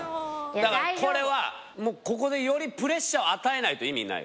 だからこれはここでよりプレッシャーを与えないと意味ない。